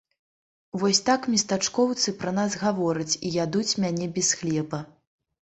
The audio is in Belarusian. Вось так местачкоўцы пра нас гавораць і ядуць мяне без хлеба.